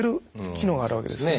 機能があるわけですね。